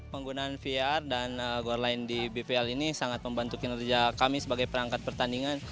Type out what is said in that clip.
penggunaan var dan goal line di bppl ini sangat membantu kinerja kami sebagai perangkat pertandingan